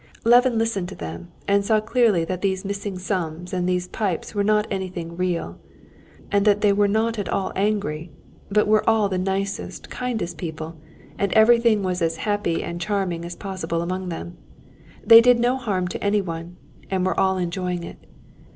Levin listened to them, and saw clearly that these missing sums and these pipes were not anything real, and that they were not at all angry, but were all the nicest, kindest people, and everything was as happy and charming as possible among them. They did no harm to anyone, and were all enjoying it.